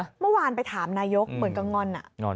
เมื่อวานไปถามนายกเหมือนกับงอน